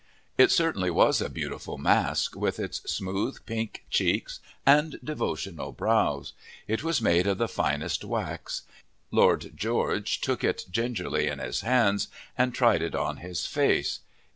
It certainly was a beautiful mask, with its smooth pink cheeks and devotional brows. It was made of the finest wax. Lord George took it gingerly in his hands and tried it on his face.